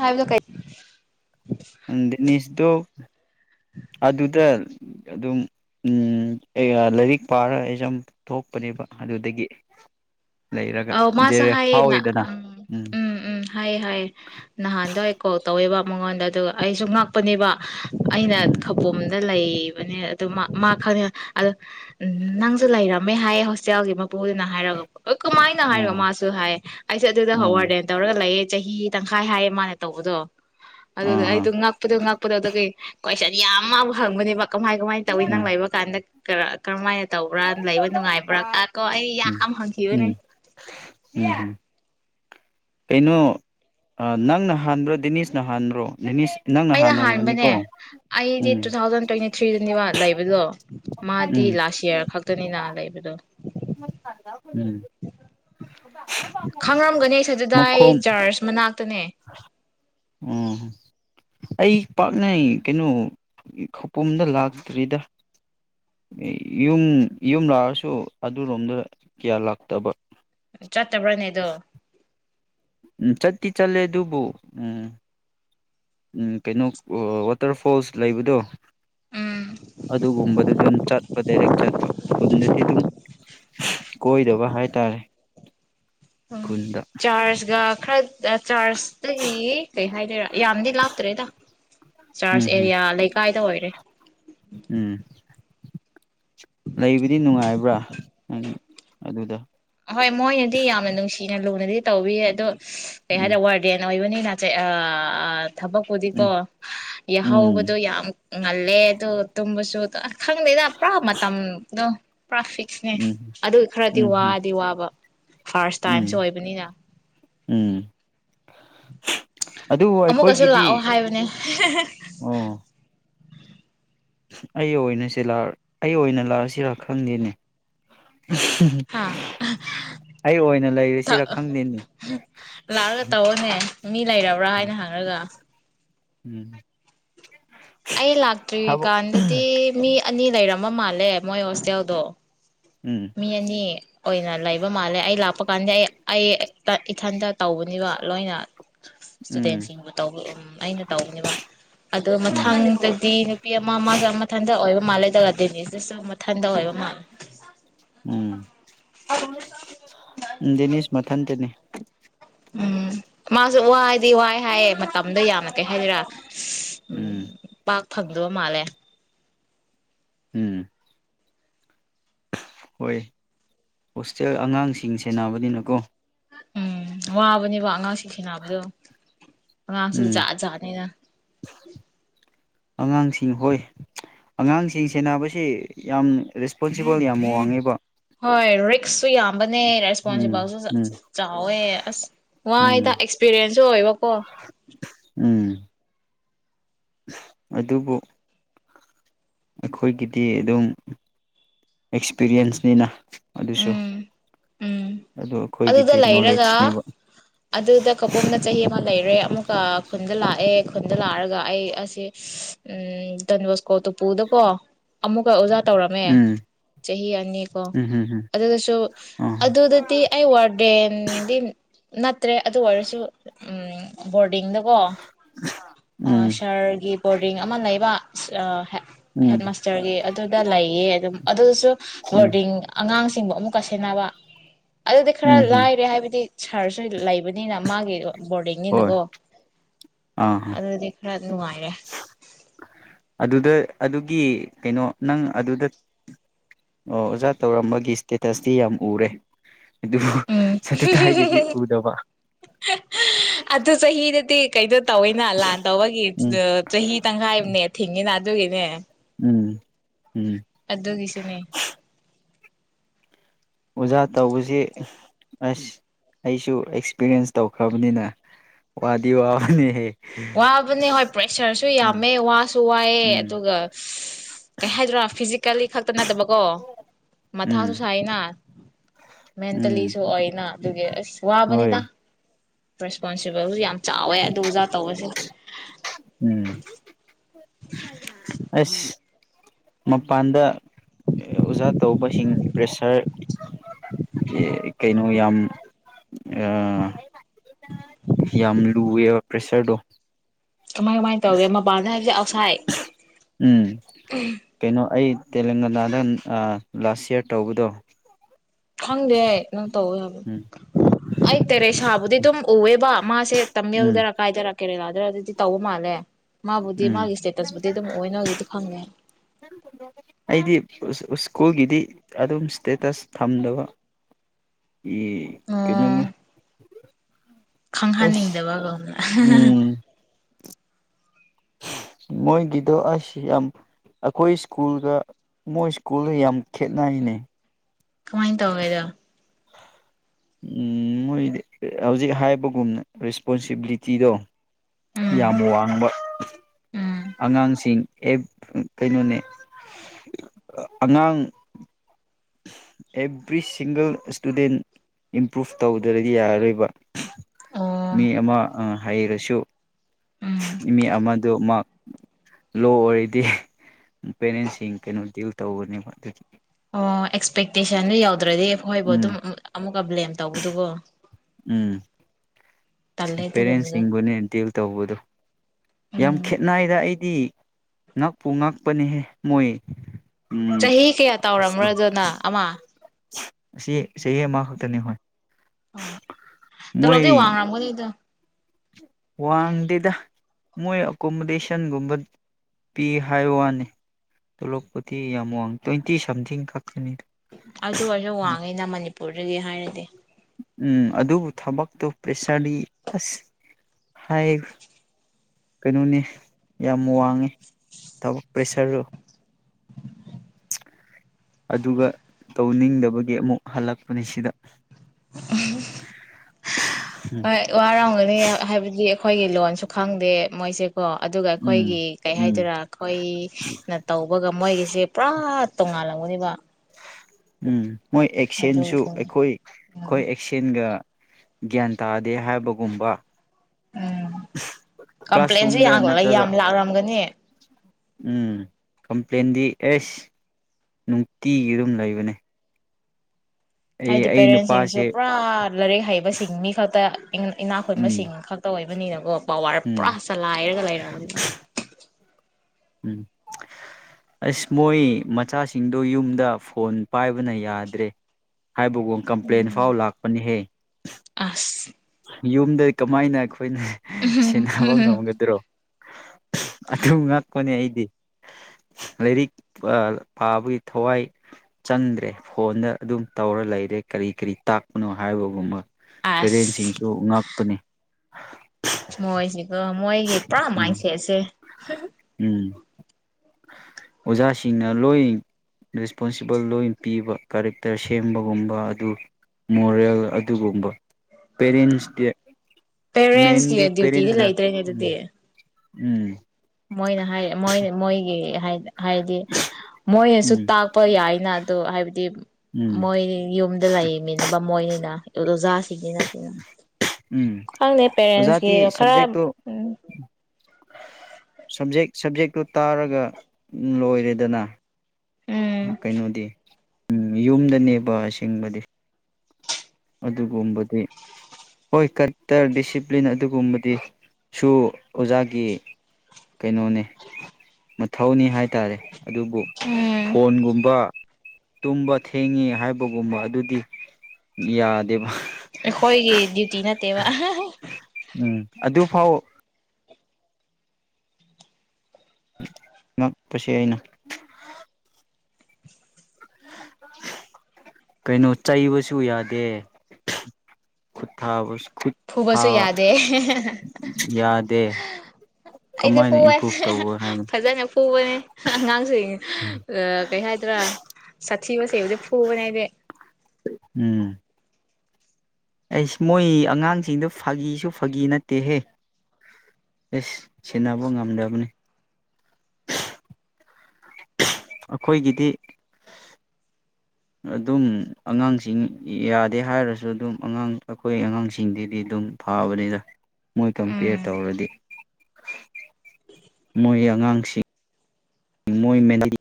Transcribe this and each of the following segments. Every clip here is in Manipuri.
ꯍꯥꯏꯕꯗꯣ ꯀꯩ ꯗꯤꯅꯤꯁꯇꯣ ꯑꯗꯨꯗ ꯑꯗꯨꯝ ꯂꯥꯏꯔꯤꯛ ꯄꯥꯔ ꯑꯩꯖꯝ ꯊꯣꯛꯄꯅꯦꯕ ꯑꯗꯨꯗꯒꯤ ꯂꯩꯔꯒ ꯑꯧ ꯃꯥꯁꯨ ꯖꯦꯔꯦ ꯍꯥꯏꯌꯦꯅ ꯐꯥꯎꯋꯤꯗꯅ ꯎꯝ ꯎꯝ ꯎꯝ ꯍꯥꯏꯌꯦ ꯍꯥꯏꯌꯦ ꯅꯍꯥꯟꯗꯣ ꯑꯩ ꯀꯣꯜ ꯇꯧꯋꯦꯕ ꯃꯉꯣꯟꯗ ꯑꯗꯨꯒ ꯑꯩ ꯁꯨ ꯉꯛꯄꯅꯦꯕ ꯑꯩꯅ ꯎꯝ ꯈꯕꯨꯝ ꯗ ꯂꯩꯕꯅꯦ ꯑꯗꯨ ꯃꯥ [unintelligible] ꯑꯗ ꯅꯪꯁꯨ ꯂꯩꯔꯝꯃꯦ ꯍꯥꯏꯌꯦ ꯍꯣꯁꯇꯦꯜꯒꯤ ꯃꯄꯨꯗꯨꯅ ꯍꯥꯏꯔꯒ ꯀꯃꯥꯏꯅ ꯍꯥꯏꯔꯒ ꯎꯝ ꯃꯥꯁꯨ ꯍꯥꯏ ꯑꯩꯁꯨ ꯑꯗꯨꯗ ꯎꯝ ꯋꯥꯔꯗꯦꯟ ꯇꯧꯔꯒ ꯂꯩꯌꯦ ꯆꯍꯤ ꯇꯪꯈꯥꯏ ꯍꯥꯏꯌꯦ ꯃꯥꯅ ꯇꯧꯕꯗꯣ ꯑꯗꯨꯗ ꯑꯥ ꯑꯩꯗꯣ ꯉꯛꯄꯗꯣ ꯉꯛꯄꯗꯣ ꯑꯗꯨꯒꯤ ꯀꯣꯏꯁꯟ ꯌꯥꯝ ꯃꯥꯕꯨ ꯍꯪꯕꯅꯦꯕ ꯀꯃꯥꯏ ꯀꯃꯥꯏꯅ ꯇꯧꯏꯤ ꯅꯪ ꯎꯝ ꯂꯩꯕ ꯀꯥꯟꯗ ꯀꯔ ꯀꯔꯃꯥꯏ ꯇꯧꯕ꯭ꯔꯥ ꯂꯩꯕ ꯅꯨꯡꯉꯥꯏꯕ꯭ꯔꯥ ꯀꯥ ꯀꯣ ꯑꯩ ꯌꯥꯝ ꯍꯪꯈꯤꯕꯅꯦ ꯎꯝꯝ ꯀꯩꯅꯣ ꯅꯪꯅ ꯍꯥꯟꯕ꯭ꯔꯣ ꯗꯤꯅꯤꯁꯅ ꯍꯥꯟꯕ꯭ꯔꯣ ꯗꯤꯅꯤꯁ ꯅꯪꯅ ꯑꯩꯅ ꯍꯥꯟꯕꯅꯦ ꯍꯥꯟꯔꯝꯒꯅꯤꯀꯣ ꯑꯩꯗꯤ ꯎꯝ ꯇꯨ ꯊꯥꯎꯖꯟ ꯇ꯭ꯋꯦꯟꯇꯤ ꯊ꯭ꯔꯤꯗꯅꯦꯕ ꯂꯩꯕꯗꯣ ꯃꯥꯗꯤ ꯎꯝ ꯂꯥꯁ ꯌꯥꯔ ꯈꯛꯇꯅꯤꯅ ꯂꯩꯕꯗꯣ ꯎꯝ ꯈꯪꯔꯝꯒꯅꯤꯁ ꯑꯗꯨꯗ ꯑꯩ ꯃꯈꯣꯝ ꯆꯥꯔꯖ ꯃꯅꯥꯛꯇꯅꯦ ꯎꯝ ꯑꯩ ꯄꯥꯛꯅꯩ ꯀꯩꯅꯣ ꯈꯧꯄꯨꯝꯗ ꯂꯥꯛꯇ꯭ꯔꯤꯗ ꯌꯨꯝ ꯌꯨꯝ ꯂꯥꯛꯑꯁꯨ ꯑꯗꯨꯔꯣꯝꯗ ꯀꯌꯥ ꯂꯥꯛꯇꯕ ꯆꯠꯇꯕ꯭ꯔꯥꯅꯦꯗꯣ ꯎꯝ ꯆꯠꯇꯤ ꯆꯠꯂꯦ ꯑꯗꯨꯕꯨ ꯎꯝ ꯎꯝ ꯀꯩꯅꯣ ꯋꯥꯇꯔ ꯐꯣꯜꯁ ꯂꯩꯕꯗꯣ ꯎꯝ ꯑꯗꯨꯒꯨꯝꯕꯗꯁꯨ ꯆꯠꯄ ꯗꯥꯏꯔꯦꯛ ꯆꯠꯄ ꯈꯨꯟꯗꯗꯤ ꯑꯗꯨꯝ ꯀꯣꯏꯗꯕ ꯍꯥꯏꯇꯥꯔꯦ ꯈꯨꯟꯗ ꯆꯥꯁꯒ ꯈꯔ ꯆꯥꯔꯖꯇꯒꯤ ꯀꯩ ꯍꯥꯏꯗꯣꯏꯔ ꯌꯥꯝꯗꯤ ꯂꯥꯞꯇ꯭ꯔꯦꯗ ꯎꯝ ꯆꯥꯔꯆ ꯎꯝ ꯑꯦꯔꯤꯌꯥ ꯂꯩꯀꯥꯏꯗ ꯑꯣꯏꯔꯦ ꯎꯝ ꯂꯩꯕꯗꯤ ꯅꯨꯡꯉꯥꯏꯕ꯭ꯔꯥ ꯅꯪ ꯑꯗꯨꯗ ꯍꯣꯏ ꯃꯣꯏꯅꯗꯤ ꯌꯥꯝꯅ ꯅꯨꯡꯁꯤꯅ ꯂꯨꯅꯗꯤ ꯇꯧꯕꯤ ꯑꯗꯣ ꯀꯩ ꯎꯝ ꯍꯥꯏꯗꯅꯣ ꯋꯥꯔꯗꯦꯟ ꯑꯣꯏꯕꯅꯤꯅꯁꯦ ꯊꯕꯛꯄꯨꯗꯤꯀꯣ ꯎꯝ ꯎꯝ ꯌꯥꯍꯧꯕꯗꯣ ꯌꯥꯝ ꯉꯜꯂꯦ ꯑꯗꯣ ꯇꯨꯝꯕꯁꯨ ꯑ ꯈꯪꯗꯦꯗ ꯄꯨꯔꯥ ꯃꯇꯝꯗꯣ ꯐꯤꯛꯁꯅꯦ ꯎꯝ ꯑꯗꯨꯒꯤ ꯈꯔꯗꯤ ꯋꯥ ꯎꯝ ꯎꯝ ꯋꯥꯕ ꯐꯥꯔꯁ ꯎꯝ ꯇꯥꯏꯝꯁꯨ ꯑꯣꯏꯕꯅꯤꯅ ꯎꯝ ꯑꯗꯨꯕꯨ ꯑꯃꯨꯛꯀꯁꯨ ꯑꯩꯈꯣꯏꯒꯤꯗꯤ ꯂꯥꯛꯑꯣ ꯍꯥꯏꯕꯅꯦ ꯑꯣ ꯑꯩ ꯑꯣꯏꯅꯁꯤ ꯑꯩ ꯑꯣꯏꯅ ꯂꯥꯛꯑꯁꯤꯔ ꯈꯪꯗꯦꯅꯦ ꯍꯥ ꯑꯩ ꯑꯣꯏꯅ ꯂꯩꯔꯤꯁꯤꯔ ꯈꯪꯗꯅꯤ ꯂꯥꯛꯑꯒ ꯇꯧꯑꯣꯅꯦ ꯃꯤ ꯂꯩꯔꯕ꯭ꯔꯥ ꯍꯥꯏꯅ ꯍꯪꯉꯒ ꯎꯝ ꯑꯩ ꯂꯥꯛꯇ꯭ꯔꯤ ꯊꯕꯛ ꯀꯥꯟꯗꯗꯤ ꯃꯤ ꯑꯅꯤ ꯂꯩꯔꯝꯕ ꯃꯥꯜꯂꯦ ꯃꯣꯏ ꯍꯣꯁꯇꯦꯜꯗꯣ ꯎꯝ ꯃꯤ ꯑꯅꯤ ꯑꯣꯏꯅ ꯂꯩꯕ ꯃꯥꯜꯂꯦ ꯑꯩ ꯂꯥꯛꯄ ꯀꯥꯟꯗ ꯑꯩ ꯑꯩ ꯏꯊꯟꯇ ꯇꯧꯕꯅꯦꯕ ꯂꯣꯏꯅ ꯎꯝ ꯏꯁꯇꯨꯗꯦꯟꯁꯤꯡꯕꯨ ꯇꯧꯕ ꯎ ꯑꯩꯅ ꯇꯧꯕꯅꯦꯕ ꯑꯗꯨꯗ ꯎꯝ ꯃꯊꯪꯗꯗꯤ ꯅꯨꯄꯤ ꯑꯃ ꯃꯥꯁꯨ ꯃꯊꯟꯇ ꯑꯣꯏꯕ ꯃꯥꯜꯂꯦꯗꯒ ꯗꯦꯅꯤꯁꯁꯨ ꯃꯊꯟꯇ ꯑꯣꯏꯕ ꯃꯥ ꯎꯝ ꯗꯅꯤꯁ ꯃꯊꯟꯇꯅꯤ ꯎ ꯎꯝ ꯃꯥꯁꯨ ꯋꯥꯏꯗꯤ ꯋꯥꯏ ꯍꯥꯏꯌꯦ ꯃꯇꯝꯗꯣ ꯌꯥꯝꯅ ꯀꯩ ꯍꯥꯏꯗꯣꯏꯔꯥ ꯎꯝ ꯄꯥꯛ ꯐꯪꯗꯕ ꯃꯥꯜꯂꯦ ꯎꯝ ꯍꯣꯏ ꯍꯣꯁꯇꯦꯜ ꯑꯉꯥꯡꯁꯤꯡ ꯁꯦꯟꯅꯕꯅꯤꯅꯀꯣ ꯎꯝ ꯋꯥꯕꯅꯦꯕ ꯑꯉꯥꯡꯁꯤꯡ ꯁꯦꯕꯗꯣ ꯎꯝ ꯑꯉꯥꯡꯁꯨꯖꯅꯤꯅ ꯑꯉꯥꯡꯁꯤꯡ ꯍꯣꯏ ꯑꯉꯥꯡꯁꯤꯡ ꯁꯦꯟꯅꯕꯁꯤ ꯌꯥꯝ ꯔꯦꯁꯄꯣꯟꯁꯤꯕꯜ ꯌꯥꯝ ꯋꯥꯡꯉꯦꯕ ꯍꯣꯏ ꯔꯔꯤꯁ ꯁꯨ ꯌꯥꯝꯕꯅꯦ ꯎꯝ ꯔꯦꯁꯄꯣꯟꯁꯤꯕꯜꯁꯨ ꯎꯝ ꯆꯥꯎꯋꯦ ꯑꯁ ꯎꯝ ꯋꯥꯏꯗ ꯑꯦꯛꯁꯄꯤꯔꯤꯌꯦꯟꯁꯁꯨ ꯑꯣꯏꯕꯀꯣ ꯎꯝ ꯑꯗꯨꯕꯨ ꯑꯩꯈꯣꯏꯒꯤꯗꯤ ꯑꯗꯨꯝ ꯑꯦꯛꯁꯄꯤꯔꯤꯌꯦꯟꯁꯅꯤꯅ ꯑꯗꯨꯁꯨ ꯎꯝ ꯎꯝ ꯑꯗꯨ ꯑꯗꯨꯗ ꯑꯩꯈꯣꯏꯒꯤꯗꯤ ꯂꯩꯔꯒ ꯅꯣꯂꯦꯖꯅꯦꯕ ꯑꯗꯨꯗ ꯀꯄꯣꯝꯅ ꯆꯍꯤ ꯑꯃ ꯂꯩꯔꯦ ꯑꯃꯨꯛꯀ ꯈꯨꯟꯗ ꯂꯥꯛꯑꯦ ꯈꯨꯟꯗ ꯂꯥꯛꯑꯒ ꯑꯩ ꯑꯁꯤ ꯎ ꯟꯕꯁꯀꯣ ꯇꯨꯄꯨꯗꯀꯣ ꯑꯃꯨꯛꯀ ꯑꯣꯖꯥ ꯇꯧꯔꯝꯃꯦ ꯎꯝ ꯆꯍꯤ ꯑꯅꯤ ꯀꯣ ꯎꯝ ꯍꯝ ꯍꯝ ꯑꯗꯨꯁꯨ ꯑꯥ ꯑꯗꯨꯗꯗꯤ ꯑꯩ ꯋꯥꯔꯗꯦꯟꯗꯤ ꯅꯠꯇ꯭ꯔꯦ ꯑꯗꯨ ꯑꯣꯏꯔꯁꯨ ꯎꯝ ꯣꯔ ꯕꯣꯔꯗꯤꯡꯗꯀꯣ ꯎꯝ ꯁꯍꯔꯒꯤ ꯕꯣꯔꯗꯤꯡ ꯑꯃ ꯂꯩꯕ ꯍꯦꯛ ꯎꯝ ꯍꯦꯠ ꯃꯥꯁꯇꯔꯒꯤ ꯑꯗꯨꯗ ꯂꯩꯌꯦ ꯑꯗꯨꯝ ꯑꯗꯨꯁꯨ ꯎꯝ ꯕꯣꯔꯗꯤꯡ ꯑꯉꯥꯡꯁꯤꯡꯕꯨ ꯑꯃꯨꯛꯀ ꯁꯦꯟꯅꯕ ꯑꯗꯨꯗꯤ ꯈꯔ ꯎꯝ ꯍꯝ ꯂꯥꯏꯔꯦ ꯍꯥꯏꯕꯗꯤ ꯁꯥꯔꯁꯨ ꯂꯩꯕꯅꯤꯅ ꯃꯥꯒꯤꯗꯣ ꯍꯣꯏ ꯕꯣꯔꯗꯤꯅꯀꯣ ꯑꯥ ꯑꯗꯨꯗꯤ ꯈ ꯅꯨꯡꯉꯥꯏꯔꯦ ꯑꯗꯨꯗ ꯑꯗꯨꯒꯤ ꯀꯩꯅꯣ ꯅꯪ ꯑꯗꯨꯗ ꯑꯣꯖꯥ ꯇꯧꯔꯝꯕꯒꯤ ꯏꯁꯇꯦꯇꯁꯇꯤ ꯌꯥꯝ ꯎꯔꯦ ꯑꯗꯨ ꯎꯝ ꯁꯇꯤ ꯊꯥꯏꯒꯤꯗꯤ ꯎꯗꯕ ꯀꯩꯗ ꯇꯧꯋꯤꯅ ꯂꯥꯟ ꯇꯧꯕꯒꯤ ꯎꯝ ꯆꯍꯤ ꯇꯪꯈꯥꯏ ꯑꯃꯅꯦ ꯊꯤꯡꯉꯤꯅ ꯑꯗꯨꯗꯒꯤꯅꯦ ꯎꯝ ꯎꯝ ꯑꯗꯨꯗꯣꯒꯤꯁꯤꯅꯦ ꯑꯣꯖꯥ ꯇꯧꯕꯁꯤ ꯑꯁ ꯑꯩꯁꯨ ꯑꯦꯛꯁꯄꯤꯔꯤꯟꯁ ꯇꯧꯈ꯭ꯔꯕꯅꯤꯅ ꯋꯥꯗꯤ ꯋꯥꯕꯅꯤꯍꯦ ꯋꯥꯕꯅꯦ ꯍꯣꯏ ꯄ꯭ꯔꯦꯁꯔꯁꯨ ꯌꯥꯝꯃꯦ ꯋꯥꯁꯨ ꯋꯥꯏꯑꯦ ꯎꯝ ꯑꯗꯨꯒ ꯀꯩ ꯍꯥꯏꯗꯣꯏ꯭ꯔꯥ ꯐꯤꯖꯤꯀꯦꯜꯂꯤ ꯈꯛꯇ ꯅꯠꯇꯕꯀꯣ ꯃꯊꯥꯁꯨ ꯎꯝ ꯁꯥꯏꯅ ꯎꯝ ꯃꯦꯟꯇꯦꯜꯂꯤꯁꯨ ꯑꯣꯏꯅ ꯑꯗꯨꯒꯤ ꯑꯁ ꯍꯣꯏ ꯁꯍꯕꯅꯤꯗ ꯔꯦꯁꯣꯟꯁ ꯌꯥꯝ ꯆꯥꯎꯋꯦ ꯑꯗꯨ ꯑꯣꯖ ꯇꯧꯁꯦ ꯎꯝ ꯑꯁ ꯃꯄꯥꯟꯗ ꯑꯣꯖꯥ ꯇꯧꯕꯁꯤꯡ ꯄ꯭ꯔꯦꯁꯔ ꯑꯦ ꯀꯩꯅꯩꯅꯣ ꯌꯥꯝ ꯑ ꯌꯥꯝ ꯂꯨꯑꯦꯕ ꯄ꯭ꯔꯦꯁꯔꯗꯣ ꯀꯃꯥꯏ ꯀꯃꯥꯏꯅ ꯇꯧꯏꯦ ꯃꯄꯥꯟꯗ ꯍꯥꯏꯕꯁꯦ ꯑꯥꯎꯁꯥꯏ ꯎꯝ ꯀꯩꯅꯣ ꯑꯩ ꯇꯦꯂꯪꯒꯅꯥꯗ ꯂꯥꯁ ꯏꯌꯥꯔ ꯇꯧꯕꯗꯣ ꯈꯪꯗꯦ ꯅꯪ ꯇꯧꯋꯦ ꯍꯥꯏꯕ ꯎꯝ ꯑꯩ ꯇꯦꯔꯦ ꯁꯥꯕꯨꯗꯤ ꯑꯗꯨꯝ ꯎꯑꯦꯕ ꯃꯥꯁꯦ ꯎꯝ ꯇꯝꯃꯦꯜꯗꯔ ꯀꯥꯏꯗꯔ ꯀꯦꯔꯦꯜꯥ ꯑꯗꯨ꯭ꯔ ꯑꯗꯨꯗꯤ ꯇꯧꯕ ꯃꯥꯜꯂꯦ ꯃꯥꯕꯨꯗꯤ ꯎꯝ ꯃꯥꯒꯤ ꯏꯁꯇꯦꯇꯁꯕꯨꯗꯤ ꯑꯗꯨꯝ ꯑꯣꯏ ꯅꯣꯏꯒꯤꯗꯤ ꯈꯪꯗꯦ ꯑꯩꯗꯤ ꯁ꯭ꯀꯨꯜꯒꯤꯗꯤ ꯑꯗꯨꯝ ꯏꯁꯇꯦꯇꯁ ꯊꯝꯗꯕ ꯑꯩ ꯀꯩꯅꯣꯅꯤ ꯑꯁ ꯈꯪꯍꯟꯅꯤꯡꯗꯕꯒꯅ ꯎꯝ ꯃꯣꯏꯒꯤꯗꯣ ꯑꯩ ꯌꯥꯝ ꯑꯩꯈꯣꯏ ꯁ꯭ꯀꯨꯜꯒ ꯃꯣꯏ ꯁ꯭ꯀꯨꯜꯒ ꯌꯥꯝ ꯈꯦꯅꯩꯅꯤ ꯀꯃꯥꯏꯅ ꯇꯧꯒꯦꯗꯣ ꯃꯣꯏꯗꯤ ꯍꯧꯖꯤꯛ ꯍꯥꯏꯕꯒꯨꯝꯅ ꯔꯦꯁꯄꯣꯟꯁꯤꯕꯤꯂꯤꯇꯤꯗꯣ ꯎꯝ ꯌꯥꯝ ꯋꯥꯡꯕ ꯎꯝ ꯑꯉꯥꯡꯁꯤꯡ ꯑꯦ ꯀꯩꯅꯣꯅꯦ ꯑꯉꯥꯡ ꯑꯦꯚ꯭ꯔꯤ ꯁꯤꯡꯒꯜ ꯏꯁꯇꯨꯗꯦꯟ ꯏꯝꯄ꯭ꯔꯨꯚ ꯇꯧꯗ꯭ꯔꯗꯤ ꯌꯥꯔꯔꯣꯏꯕ ꯑꯣ ꯃꯤ ꯑꯃ ꯍꯩꯔꯁꯨ ꯎꯝ ꯃꯤ ꯑꯃꯗꯨ ꯃꯍꯥꯛ ꯂꯣ ꯑꯣꯏꯔꯗꯤ ꯄꯦꯔꯦꯟꯁꯤꯡ ꯀꯩꯅꯣ ꯗꯤꯜ ꯇꯧꯕꯅꯦꯕ ꯑꯗꯨꯒꯤ ꯑꯣ ꯑꯦꯛꯁꯄꯦꯛꯇꯦꯁꯟꯗꯨ ꯌꯥꯎꯗ꯭ꯔꯗꯤ ꯍꯣꯏꯕꯨ ꯎꯝ ꯑꯗꯨꯝ ꯀꯕ꯭ꯂꯦꯝ ꯇꯧꯕꯗꯨꯒꯣ ꯎꯝ ꯑꯗꯨꯒꯨꯝꯕꯗꯣ ꯄꯦꯔꯦꯟꯁꯁꯤꯡꯕꯨꯅꯦ ꯗꯤꯜ ꯇꯧꯕꯗꯣ ꯌꯥꯝ ꯎꯝ ꯈꯦꯠꯅꯗ ꯑꯩ ꯉꯛꯄꯨ ꯉꯛꯄꯅꯤꯍꯦ ꯃꯣꯏ ꯎꯝ ꯆꯍꯤ ꯀꯌꯥ ꯇꯧꯔꯝꯝꯕ꯭ꯔꯗꯣꯅ ꯑꯃ ꯑꯁꯤ ꯆꯍꯤ ꯑꯃꯈꯛꯇꯅꯤ ꯍꯣꯏ ꯑ ꯇ ꯃꯣꯏ ꯂꯇ ꯋꯥꯡꯡꯅ ꯑꯃ ꯀꯗꯤꯗ ꯋꯥꯡꯗꯦꯗ ꯃꯣꯏ ꯑꯦꯀꯣꯃꯣꯗꯦꯁꯟꯒꯨꯝꯕ ꯄꯤ ꯍꯥꯏ ꯋꯥꯅꯤ ꯇꯂꯛꯄꯗꯤ ꯌꯥꯝ ꯋꯥꯡ ꯇ꯭ꯋꯦꯟꯇꯤ ꯁꯝꯊꯤꯡ ꯈꯛ ꯑꯗꯨ ꯑꯣꯏꯔꯁꯨ ꯋꯥꯡꯉꯤꯅ ꯃꯅꯤꯄꯨꯔꯗꯒꯤ ꯍꯥꯏꯔꯗꯤ ꯎꯝ ꯑꯗꯨꯕꯨ ꯊꯕꯛꯇꯨ ꯄ꯭ꯔꯦꯁꯔꯗꯤ ꯑꯁ ꯍꯥꯏ ꯀꯩꯅꯣꯅꯤ ꯌꯥꯝ ꯋꯥꯡꯉꯤ ꯊꯕꯛ ꯄ꯭ꯔꯦꯁꯔꯗꯨ ꯑꯗꯨꯒ ꯇꯧꯅꯤꯡꯗꯕꯒꯤ ꯑꯃꯨꯛ ꯍꯜꯂꯛꯄꯅꯤ ꯁꯤꯗ ꯎꯝ ꯑ ꯋꯥꯔ ꯍꯥꯏꯕ ꯑꯩꯈꯣꯏꯒꯤ ꯂꯣꯟꯁꯨ ꯈꯪꯗꯦ ꯃꯣꯏꯁꯦ ꯀꯣ ꯑꯗꯨꯒ ꯎꯝ ꯑꯩꯈꯣꯏꯒꯤ ꯀꯩ ꯎꯝ ꯍꯥꯏꯗꯣꯏꯔꯥ ꯑꯩꯈꯣꯏꯅ ꯇꯧꯕꯒ ꯃꯣꯏꯒꯤꯁꯦ ꯄꯨꯔꯥ ꯇꯣꯡꯉꯥꯜꯂꯝꯒꯅꯤꯕ ꯎꯝ ꯃꯣꯏ ꯑꯦꯛꯁꯦꯟꯁꯨ ꯑꯩꯈꯣꯏ ꯎꯝ ꯑꯩꯈꯣꯏ ꯑꯦꯛꯁꯦꯟꯒ ꯒ꯭ꯌꯥꯟ ꯇꯥꯗꯦ ꯍꯥꯏꯕꯒꯨꯝꯕ ꯎꯝ ꯀꯝꯄ꯭ꯂꯦꯟꯁꯨ ꯀ꯭ꯂꯥꯁꯔꯨꯝꯗ ꯌꯥꯝ ꯅꯠꯇ꯭ꯔꯒ ꯌꯥꯝ ꯂꯥꯛꯂꯝꯝꯒꯅꯤ ꯎꯝ ꯀꯝꯄ꯭ꯂꯦꯟꯗꯤ ꯑꯦꯁ ꯅꯨꯡꯇꯤꯒꯤ ꯑꯗꯨꯝ ꯂꯩꯕꯅꯦ ꯑꯩ ꯍꯥꯏꯗꯤ ꯑꯩ ꯄꯦꯔꯦꯟꯁꯤꯡꯁꯨ ꯅꯨꯄꯥꯁꯦ ꯄꯨꯔꯥ ꯂꯥꯏꯔꯤꯛ ꯍꯩꯕꯁꯤꯡ ꯃꯤ ꯈꯛꯇ ꯏꯅꯥꯛꯈ ꯎꯝ ꯈꯨꯟꯕꯁꯤꯡ ꯈꯛꯇ ꯑꯣꯏꯕꯅꯤꯅꯀꯣ ꯄꯋꯥꯔ ꯄꯨꯔꯥ ꯎꯝ ꯆꯂꯥꯏꯔꯒ ꯂꯩꯔꯕꯔꯕꯅꯤ ꯎꯝ ꯑꯁ ꯃꯣꯏ ꯃꯆꯥꯁꯤꯡꯗꯣ ꯌꯨꯝꯗ ꯐꯣꯟ ꯄꯥꯏꯕꯅ ꯌꯥꯗ꯭ꯔꯦ ꯍꯥꯏꯕꯕꯨ ꯀꯝꯄ꯭ꯂꯦꯟ ꯐꯥꯎ ꯂꯥꯛꯄꯅꯤꯍꯦ ꯑꯁ ꯌꯨꯝꯗ ꯀꯃꯥꯏꯅ ꯑꯩꯈꯣꯏꯅ ꯁꯦꯟꯅꯕ ꯉꯝꯒꯗ꯭ꯔꯣ ꯑꯗꯨꯝ ꯉꯥꯛꯄꯅꯦ ꯑꯩꯗꯤ ꯂꯥꯏꯔꯤꯛ ꯄꯥꯕꯒꯤ ꯊꯋꯥꯏ ꯆꯪꯗ꯭ꯔꯦ ꯐꯣꯟꯗ ꯑꯗꯨꯝ ꯇꯧꯔ ꯂꯩꯔꯦ ꯀꯔꯤ ꯀꯔꯤ ꯇꯥꯛꯄꯅꯣ ꯍꯥꯏꯕꯒꯨꯝꯕ ꯑꯁ ꯉꯥꯛꯄꯅꯤ ꯃꯣꯏꯁ‌ꯦ ꯑ ꯃꯣꯏꯒꯤ ꯄꯨꯔꯥ ꯎꯝ ꯃꯥꯏꯟ ꯁꯦꯠꯁꯦ ꯎꯝ ꯑꯣꯖꯥꯁꯤꯡꯅ ꯂꯣꯏ ꯔꯦꯁꯄꯣꯟꯁꯤꯕꯜ ꯂꯣꯏ ꯄꯤꯕ ꯀꯥꯔꯦꯛꯇꯔ ꯁꯦꯝꯕꯒꯨꯝꯕ ꯑꯗꯨ ꯃꯣꯔꯦꯜ ꯑꯗꯨꯒꯨꯝꯕ ꯄꯦꯔꯦꯟꯁ ꯗ ꯃꯦꯟꯗꯤ ꯄꯦꯔꯦꯟꯁ ꯅ [unintelligible] ꯗꯨꯗꯤ ꯎꯝ ꯃꯣꯏꯅ ꯍꯥꯏ ꯃꯣꯏ ꯃꯣꯏꯒꯤ ꯍꯥꯏꯗꯤ ꯃꯣꯏꯅꯁꯨ ꯎꯝ ꯇꯥꯛꯄ ꯌꯥꯏꯅ ꯑꯗꯨ ꯍꯥꯏꯕꯗꯤ ꯎꯝ ꯃꯣꯏꯅꯤ ꯌꯨꯝꯗ ꯂꯩꯃꯤꯟꯅꯕ ꯃꯣꯏꯅꯤꯅ ꯑꯣꯖꯥꯁ [unintelligible] ꯅꯠꯇ‌ꯦꯅ ꯎꯝ ꯑꯣꯖꯥꯇꯤ ꯁꯕꯖꯦꯛꯇꯣ ꯎꯝ ꯁꯕꯖꯦꯛ ꯁꯕꯖꯦꯛꯇꯨ ꯇꯥꯔꯒ ꯂꯣꯏꯔꯦꯗꯅ ꯎꯝ ꯀꯩꯅꯣꯗꯤ ꯎꯝ ꯌꯨꯝꯗꯅꯦꯕ ꯑꯁꯦꯡꯕꯗꯤ ꯑꯗꯨꯒꯨꯝꯕꯗꯤ ꯍꯣꯏ ꯀꯔꯛꯇꯔ ꯗꯤꯁꯤꯄ꯭ꯂꯤꯟ ꯑꯗꯨꯒꯨꯝꯕꯗꯤ ꯁꯨ ꯑꯣꯖꯥꯒꯤ ꯀꯩꯅꯣꯅꯤ ꯃꯊꯧꯅꯤ ꯍꯥꯏ ꯇꯥꯔꯦ ꯑꯗꯨꯕꯨ ꯎꯝ ꯐꯣꯟꯒꯨꯝꯕ ꯇꯨꯝꯕ ꯊꯦꯡꯉꯤ ꯍꯥꯏꯕꯒꯨꯝꯕ ꯑꯗꯨꯗꯤ ꯌꯥꯗꯦꯕ [unintelligible] ꯗꯌꯨꯇꯤ ꯅꯠꯇꯦꯕ ꯎꯝ ꯑꯗꯨ ꯐꯥꯎ ꯉꯛꯄꯁ‌ꯦ ꯑꯩꯅ ꯀꯩꯅꯣ ꯆꯩꯕꯁꯨ ꯌꯥꯗꯦ ꯈꯨ ꯊꯥꯕꯁꯨ ꯐꯨꯕꯁꯨ ꯌꯥꯗꯦ ꯌꯥꯗꯦ ꯑꯩꯗꯤ ꯀꯃꯥꯏꯅ ꯐꯨꯋꯦ ꯏꯝꯄ꯭ꯔꯨꯚ ꯇꯧꯕ ꯍꯥꯏꯕ ꯐꯖꯅ ꯐꯨꯕꯅꯦ ꯑꯉꯥꯡꯁꯤꯡ ꯀꯩ ꯍꯥꯏꯗ꯭ꯔꯥ ꯁꯥꯊꯤꯕꯁꯦꯕꯨꯗꯤ ꯐꯨꯕꯅꯦ ꯑꯩꯗꯤ ꯎꯝ ꯑꯩꯁ ꯃꯣꯏ ꯑꯉꯥꯡꯁꯤꯡꯗ ꯐꯥꯒꯤꯁꯨ ꯐꯥꯒꯤ ꯅꯠꯇꯦꯍꯦ ꯑꯁ ꯁꯦꯟꯅꯕ ꯉꯝꯗꯕꯅꯤ ꯑꯩꯈꯣꯏꯒꯤꯗꯤ ꯑꯗꯨꯝ ꯑꯉꯥꯡꯁꯤꯡ ꯌꯥꯗꯦ ꯍꯥꯏꯔꯁꯨ ꯑꯗꯨꯝ ꯑꯉꯥꯡ ꯑꯩꯈꯣꯏ ꯑꯉꯥꯡꯁꯤꯡꯗꯗꯤ ꯑꯗꯨꯝ ꯐꯕꯅꯤꯅ ꯃꯣꯏ ꯀꯝꯄꯤꯌꯔ ꯎꯝ ꯇꯧꯔꯗꯤ ꯃꯣꯏ ꯑꯉꯥꯡꯁꯤꯡ ꯃꯣꯏ ꯃꯦꯙ [unintelligible] [inaudible] ꯔꯤ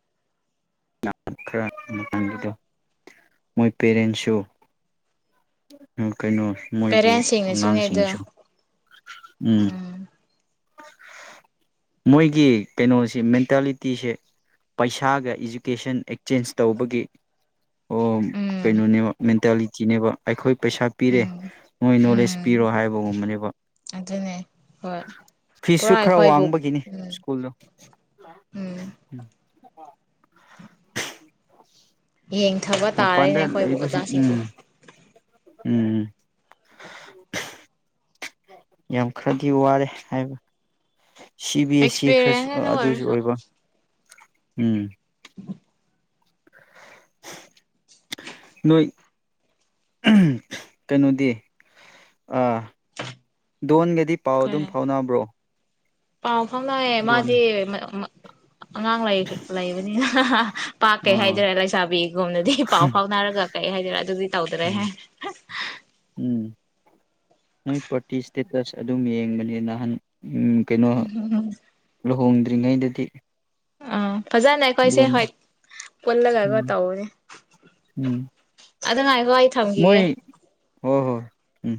ꯈꯔ ꯃꯇꯝꯗꯨꯗ ꯃꯣꯏ ꯄꯦꯔꯦꯟꯁꯨ ꯀꯩꯅꯣ ꯃꯣꯏꯒꯤ ꯄꯦꯔꯦꯟꯁꯁꯤꯡꯅꯁꯨꯅꯦ ꯑꯗꯣ ꯑꯉꯥꯡꯁꯤꯡꯁꯨ ꯎꯝ ꯃꯣꯏꯒꯤ ꯀꯩꯅꯣꯁꯤ ꯃꯦꯟꯇꯦꯂꯤꯇꯤꯁꯦ ꯄꯩꯁꯥꯒ ꯏ ꯂꯣꯀꯦꯁꯟ ꯑꯦꯛꯆꯦꯟꯖ ꯇꯧꯕꯒꯤ ꯎꯝ ꯀꯩꯅꯣꯅꯦꯕ ꯃꯦꯟꯇꯥꯂꯤꯇꯤꯅꯦꯕ ꯑꯩꯈꯣꯏ ꯄꯩꯁꯥ ꯄꯤꯔꯦ ꯎꯝ ꯃꯣꯏ ꯅꯣꯂꯦꯖ ꯄꯤꯔꯣ ꯎꯝ ꯍꯥꯏꯕꯒꯨꯝꯕꯅꯦꯕ ꯑꯗꯨꯅꯦ ꯍꯣꯏ ꯄꯨꯔꯥ ꯐꯤꯁꯁꯨ ꯈꯔ ꯑꯩꯈꯣꯏꯕꯨꯛ ꯋꯥꯡꯕꯒꯤꯅꯤ ꯎꯝ ꯁ꯭ꯀꯨꯜꯗꯣ ꯎꯝ ꯑꯣ [unintelligible] ꯌꯦꯡꯊꯕ ꯇꯥꯔꯦꯅꯦ ꯃꯄꯥꯟꯗ ꯑꯩꯈꯣꯏꯕꯨ ꯂꯩꯕꯁꯤꯡ ꯑꯣꯖꯥꯁꯤꯡꯕꯨ ꯎꯝ ꯎꯝ ꯌꯥꯝ ꯈꯔꯗꯤ ꯋꯥꯔꯦ ꯍꯥꯏꯕ ꯁꯤ ꯕꯤ ꯑꯦꯁ ꯁꯤ ꯈꯔꯁꯨ ꯑꯦꯛꯁꯄꯤꯔꯤꯌꯦꯟꯁ ꯑꯗꯨ ꯑꯗꯨꯁꯨ ꯑꯣꯏꯔꯁꯨ ꯑꯣꯏꯕ ꯎꯝ ꯎ [inaudible] ꯅꯣꯏ ꯀꯩꯅꯗꯤ ꯑ ꯗ ꯗꯤ ꯄꯥꯎ ꯑꯗꯨꯝ ꯐꯥꯎꯅꯕ꯭ꯔꯣ ꯑꯥꯎ ꯍꯅꯥꯌꯦꯦ ꯗꯣꯟ ꯃꯥꯗꯤ ꯉꯥꯡ ꯂꯥꯏ ꯀꯠꯂ ꯏꯕꯅꯤꯅ ꯄꯥꯛ ꯀꯩ ꯑꯥ ꯍꯥꯏꯗꯔꯦ ꯂꯩꯁꯥꯕꯤꯒꯨꯝꯅꯗꯤ ꯄꯥꯎ ꯐꯥꯎꯅꯔꯒ ꯀꯩ ꯍꯥꯏꯗꯣꯏꯔꯦ ꯑꯗꯨꯗꯤ ꯇꯧꯗꯔꯦ ꯎꯝ ꯍꯥꯏ ꯎꯝ ꯅꯣꯏ ꯄꯇꯤꯁ ꯏꯁꯇꯦꯇꯁ ꯑꯗꯨꯝ ꯌꯦꯡꯕꯅꯤ ꯅꯍꯥꯟ ꯎ ꯀꯩꯅꯣ ꯂꯨꯍꯣꯡꯗ ꯑꯣꯏꯔꯤꯉꯩꯗꯗꯤ ꯑꯥ ꯐꯖꯅ ꯑꯩꯈꯣꯏꯁꯦ ꯍꯣꯏ ꯄꯨꯜꯂꯒꯒ ꯎꯝ ꯇꯧꯅꯦ ꯎꯝ ꯑꯗꯨ ꯉ ꯋꯥꯥꯏ ꯊꯝꯒꯤꯒ ꯍ ꯍꯣ ꯎꯝ